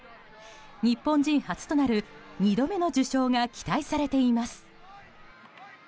日本人初となる、２度目の受賞が期待されています。